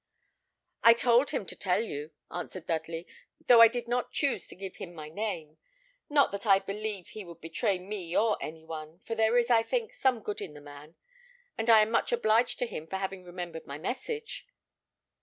"I told him to tell you," answered Dudley; "though I did not choose to give him my name, not that I believe he would betray me or any one, for there is, I think, some good in the man; and I am much obliged to him for having remembered my message."